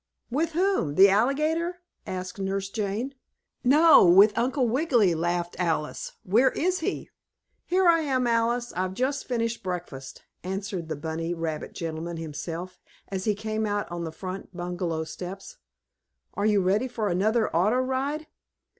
"With whom the alligator?" asked Nurse Jane. "No, with Uncle Wiggily," laughed Alice. "Where is he?" "Here I am, Alice. I've just finished breakfast," answered the bunny rabbit gentleman himself, as he came out on the front bungalow steps. "Are you ready for another auto ride?"